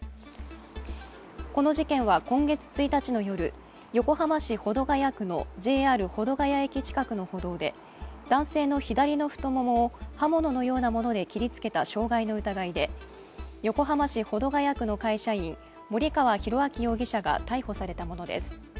この事件は今月１日の夜、横浜市保土ケ谷区のＪＲ保土ケ谷駅近くの歩道で男性の左の太ももを刃物のようなもので切りつけた傷害の疑いで横浜市保土ケ谷区の会社員、森川浩昭容疑者が逮捕されたものです。